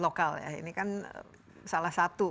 lokal ya ini kan salah satu